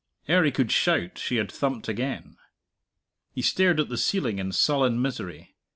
Ere he could shout she had thumped again. He stared at the ceiling in sullen misery.